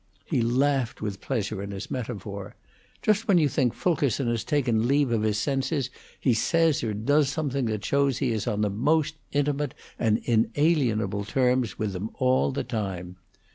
He laughed with pleasure in his metaphor. "Just when you think Fulkerson has taken leave of his senses he says or does something that shows he is on the most intimate and inalienable terms with them all the time.